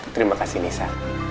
terima kasih nisa